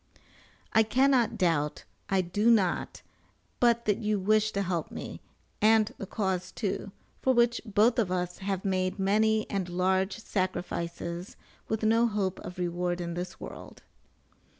I cannot doubt, I do not, but that you wish to help me, and the cause too, for which both of us have made many and large sacrifices with no hope of reward in this world.